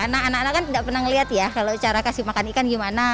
anak anak kan tidak pernah melihat ya kalau cara kasih makan ikan gimana